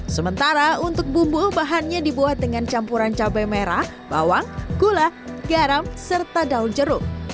sementara untuk bumbu bahannya dibuat dengan campuran cabai merah bawang gula garam serta daun jeruk